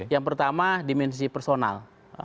yang pertama dimensi personal